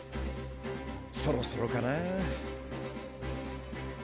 そろそろかな。